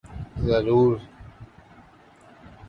ضرور۔